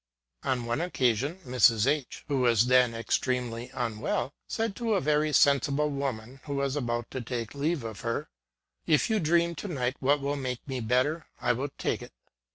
On one occasion, Mrs. H , who was then ex tremely unwell, said to a very sensible woman, who was about to take leave of her ŌĆö " If you dream to night what will make me better, I will take it."